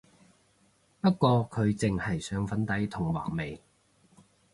不過佢淨係上粉底同畫眉